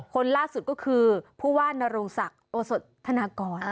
คนล่าสุดก็คือผู้ว่านรูสักโอศทนากร